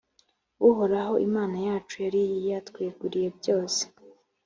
uhoraho imana yacu yari yatweguriye byose.